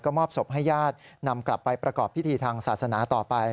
มอบศพให้ญาตินำกลับไปประกอบพิธีทางศาสนาต่อไป